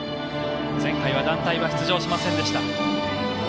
前回は団体は出場しませんでした。